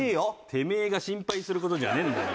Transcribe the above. てめえが心配する事じゃねえんだよ。